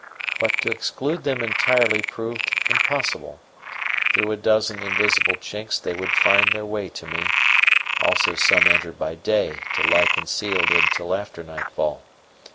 But to exclude them entirely proved impossible: through a dozen invisible chinks they would find their way to me; also some entered by day to lie concealed until after nightfall.